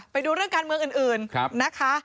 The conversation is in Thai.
ไปดูเรื่องการเมืองอื่นนะคะ